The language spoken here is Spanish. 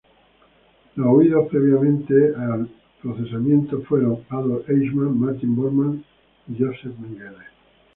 Los huidos previamente al procesamiento fueron Adolf Eichmann, Martin Bormann y Josef Mengele.